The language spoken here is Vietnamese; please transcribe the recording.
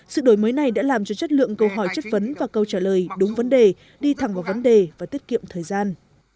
sự đổi mới này đã làm cho chất lượng câu hỏi chất vấn và câu trả lời đúng vấn đề đi thẳng vào vấn đề và tiết kiệm thời gian